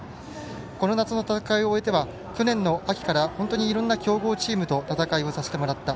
この夏の戦いを終えては去年の秋から本当にいろんな強豪チームと戦わせてもらった。